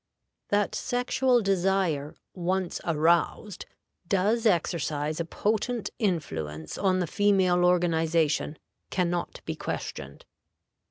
That sexual desire, once aroused, does exercise a potent influence on the female organization, can not be questioned.